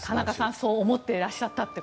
そう思っていらっしゃったと。